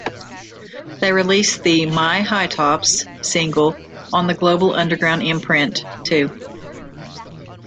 They released the "My Hi Tops" single on the Global Underground imprint, too.